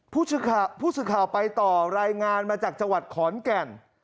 ผู้ชาวไปต่อรายงานมาจากจังหวัดขอนกั่น